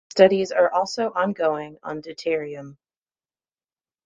Studies are also ongoing on deuterium.